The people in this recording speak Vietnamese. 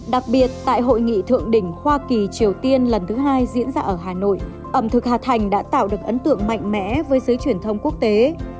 đặc biệt tại hội nghị thượng đỉnh hoa kỳ triều tiên lần thứ hai diễn ra ở hà nội ẩm thực hà thành đã tạo được ấn tượng mạnh mẽ với giới truyền thông quốc tế